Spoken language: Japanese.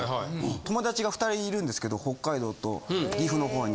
友達が２人いるんですけど北海道と岐阜の方に。